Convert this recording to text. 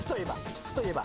質といえば。